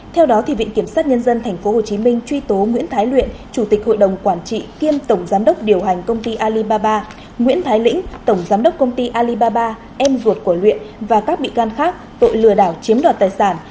theo đó viện kiểm sát nhân dân tp hcm truy tố nguyễn thái luyện chủ tịch hội đồng quản trị kiêm tổng giám đốc điều hành công ty alibaba nguyễn thái lĩnh tổng giám đốc công ty alibaba em ruột của luyện và các bị can khác tội lừa đảo chiếm đoạt tài sản